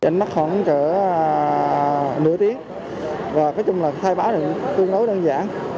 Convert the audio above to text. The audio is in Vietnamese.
nửa tiếng và cái chung là khai báo là tương đối đơn giản